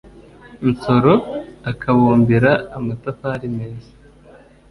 nsoro akabumbira amatafari meza